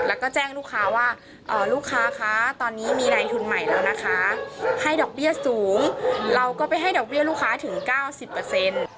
แล้วก็แจ้งลูกค้าว่าลูกค้าคะตอนนี้มีนายทุนใหม่แล้วนะคะให้ดอกเบี้ยสูงเราก็ไปให้ดอกเบี้ยลูกค้าถึงเก้าสิบเปอร์เซ็นต์